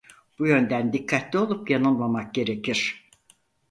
Bu yönden dikkatli olup yanılmamak gerekir.